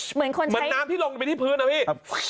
เหมือนคนเหมือนน้ำที่ลงไปที่พื้นนะพี่